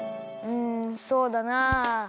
うんそうだなあ。